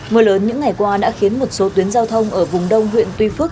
mưa lớn những ngày qua đã khiến một số tuyến giao thông ở vùng đông huyện tuy phước